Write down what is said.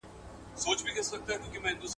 • يتيم په ژړا پوخ دئ.